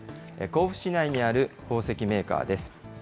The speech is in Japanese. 甲府市内にある宝石メーカーです。